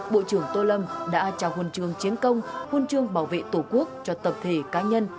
bộ trưởng tô lâm đã trao hồn trường chiến công huân chương bảo vệ tổ quốc cho tập thể cá nhân